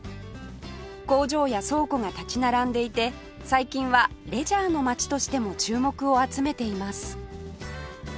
工場や倉庫が立ち並んでいて最近はレジャーの街としても注目を集めています